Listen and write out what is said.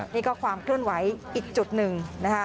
นี่ก็ความเคลื่อนไหวอีกจุดหนึ่งนะคะ